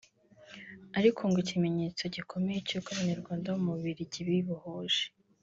ariko ngo ikimenyetso gikomeye cy’ uko Abanyarwanda bo mu Bubiligi bibohoje